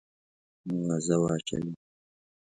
آوازه واچوې.